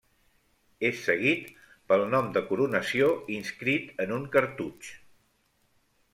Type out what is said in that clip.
És seguit pel nom de coronació inscrit en un cartutx.